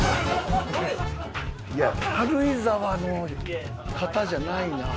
いや軽井沢の方じゃないな。